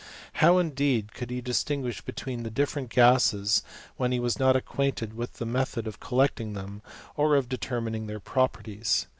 • How, indeed, could he distinguish be tween different gases when he was not acquainted with the method of collecting them, or of determining their properties?.